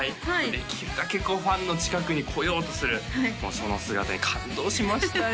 できるだけこうファンの近くに来ようとするその姿に感動しましたよ